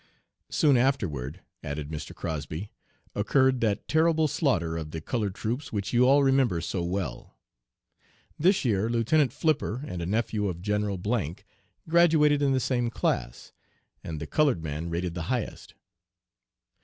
'Soon afterward,' added Mr. Crosby, 'occurred that terrible slaughter of the colored troops which you all remember so well. This year Lieutenant Flipper and a nephew of General graduated in the same class, and the colored man rated the highest.'